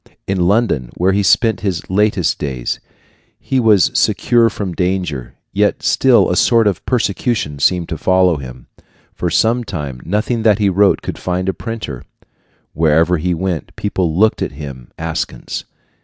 In London, where he spent his latest days, he was secure from danger, yet still a sort of persecution seemed to follow him. For some time, nothing that he wrote could find a printer. Wherever he went, people looked at him askance.